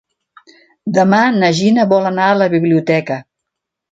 Demà na Gina vol anar a la biblioteca.